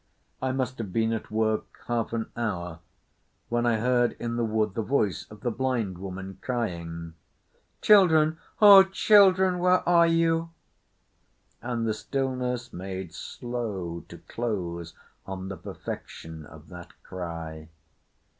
I must have been at work half an hour when I heard in the wood the voice of the blind woman crying: "Children, oh children, where are you?" and the stillness made slow to close on the perfection of that cry.